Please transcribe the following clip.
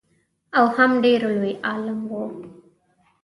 او هم ډېر لوی عالم و.